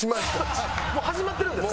もう始まってるんですか？